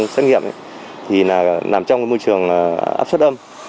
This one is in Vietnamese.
xét nghiệm thì nằm trong môi trường áp suất âm